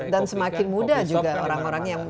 dan semakin muda juga orang orang yang